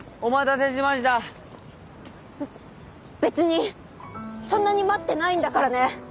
べ別にそんなに待ってないんだからね。